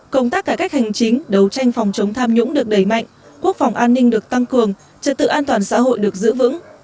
công tác cải cách hành chính đấu tranh phòng chống tham nhũng được đẩy mạnh quốc phòng an ninh được tăng cường trật tự an toàn xã hội được giữ vững